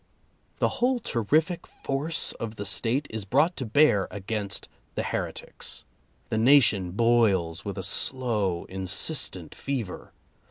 The whole terrific force of the State is brought to bear against the heretics. The nation boils with a slow insistent fever.